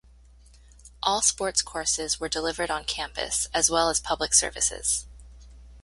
All sports courses are delivered on campus, as well as Public Services.